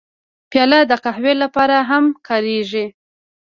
پیاله د قهوې لپاره هم کارېږي.